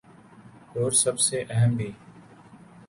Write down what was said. اور سب سے اہم بھی ۔